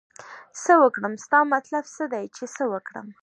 څه وکړم ستا مطلب څه دی چې څه وکړم